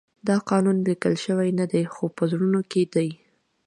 دا قانون لیکل شوی نه دی خو په زړونو کې دی.